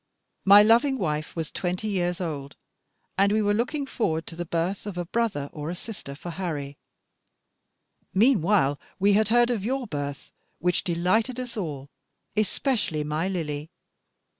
My loving wife was twenty years old, and we were looking forward to the birth of a brother or sister for Harry. Meanwhile we had heard of your birth, which delighted us all, especially my Lily.